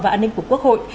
và an ninh của quốc hội